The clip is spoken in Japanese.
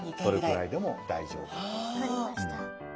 分かりました。